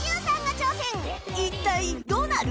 一体どうなる？